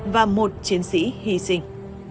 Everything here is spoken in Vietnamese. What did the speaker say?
và một chiến sĩ hy sinh